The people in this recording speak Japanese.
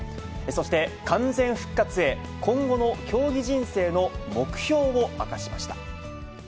そして完全復活へ、今後の競技人生の目標を明かしました。